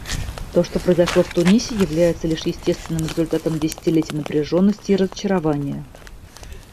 То, что произошло в Тунисе, является лишь естественным результатом десятилетий напряженности и разочарования.